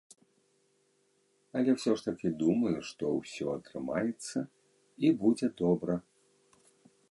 Але ўсё ж такі думаю, што ўсё атрымаецца і будзе добра.